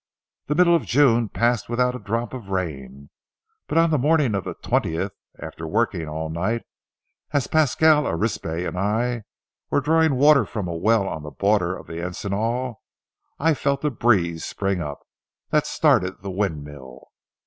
The middle of June passed without a drop of rain, but on the morning of the twentieth, after working all night, as Pasquale Arispe and I were drawing water from a well on the border of the encinal I felt a breeze spring up, that started the windmill.